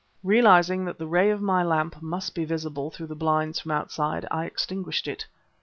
Realizing that the ray of my lamp must be visible through the blinds from outside, I extinguished it